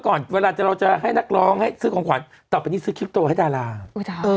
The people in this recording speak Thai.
ก่อนเวลาจะเราจะให้นักร้องให้ซื้อของขวัญต่อไปนี้ซื้อคลิปโตให้ดาราเออ